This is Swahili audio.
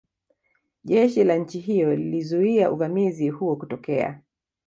Jeshi la nchi hiyo lilizuia uvamizi huo kutokea